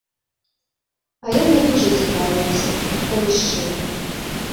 А я не дужа цікавілася, калі шчыра.